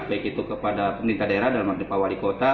baik itu kepada pendeta daerah dan pendepan wali kota